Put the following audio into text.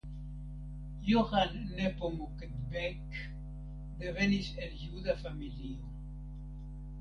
Johann Nepomuk Beck devenis el juda familio.